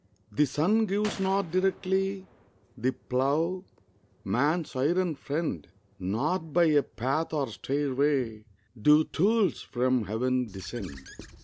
The sun gives not directly The plough, man's iron friend; Not by a path or stairway Do tools from Heaven descend.